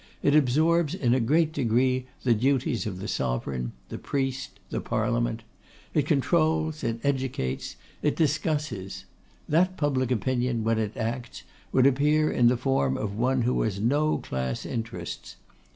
It absorbs in a great degree the duties of the Sovereign, the Priest, the Parliament; it controls, it educates, it discusses. That public opinion, when it acts, would appear in the form of one who has no class interests.